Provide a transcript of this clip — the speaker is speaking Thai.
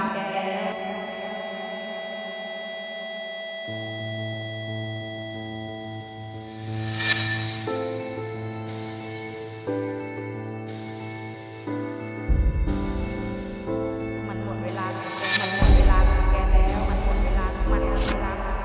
กลับไป